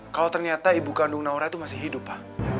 kalau ternyata ibu kandung naura itu masih hidup pak